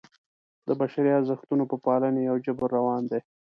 د بشري ارزښتونو په پالنې یو جبر روان دی.